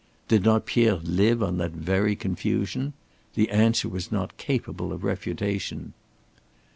Did not Pierre live on that very confusion? The answer was not capable of refutation.